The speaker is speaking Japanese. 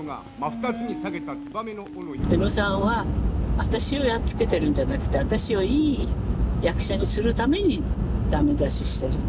宇野さんは私をやっつけてるんじゃなくて私をいい役者にするためにダメ出ししてるんだ。